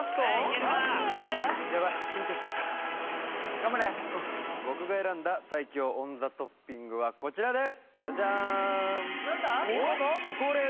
頑張れ僕が選んだ最強オンザトッピングはこちらです